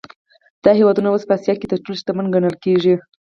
دا هېوادونه اوس په اسیا کې تر ټولو شتمن ګڼل کېږي.